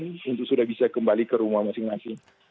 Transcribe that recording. dan tentu sudah bisa kembali ke rumah masing masing